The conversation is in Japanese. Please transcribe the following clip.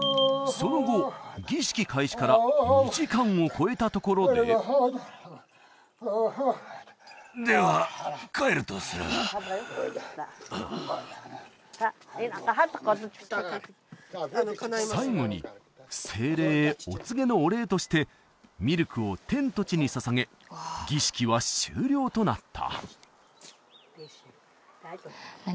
その後儀式開始から２時間を超えたところで最後に精霊へお告げのお礼としてミルクを天と地に捧げ儀式は終了となった